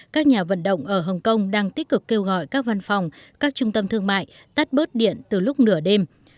các nhà vận động ở hồng kông đang tích cực kêu gọi các văn phòng các trung tâm thương mại tắt bớt điện từ lúc nửa đêm